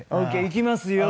いきますよ。